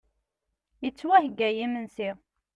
Ittwaheyya yimensi.